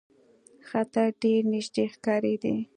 خطر ډېر نیژدې ښکارېدی.